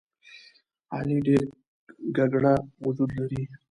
علي ډېر ګګړه وجود لري.